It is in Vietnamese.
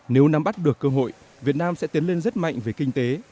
nếu nắm bắt được cơ hội việt nam sẽ tiến lên rất mạnh về kinh tế